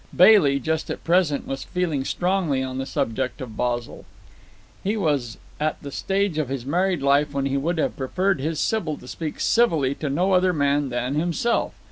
Bailey, just at present, was feeling strongly on the subject of Basil. He was at that stage of his married life when he would have preferred his Sybil to speak civilly to no other man than himself.